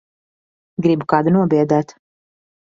Gribu kādu nobiedēt.